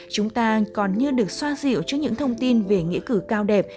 chúng ta còn như được xoa dịu trước những thông tin về nghĩa cử cao đẹp